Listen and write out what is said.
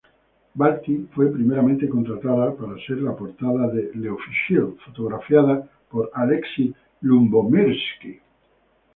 Balti fue primeramente contratada para ser la portada de "L'Officiel", fotografiada por Alexi Lubomirski.